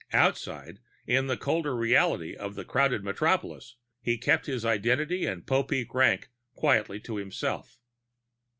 Outside, in the colder reality of the crowded metropolis, he kept his identity and Popeek rank quietly to himself.